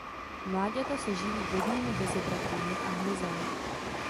Mláďata se živí vodními bezobratlými a hmyzem.